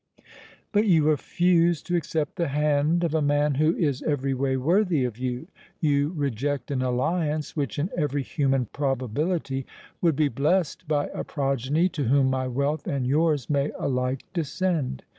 But you refuse to accept the hand of a man who is every way worthy of you—you reject an alliance which, in every human probability, would be blessed by a progeny to whom my wealth and yours may alike descend.